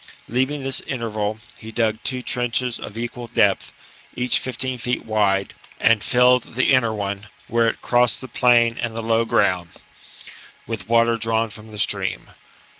Leaving this interval, he dug two trenches of equal depth, each fifteen feet wide, and filled the inner one, where it crossed the plain and the low ground, with water drawn from the stream.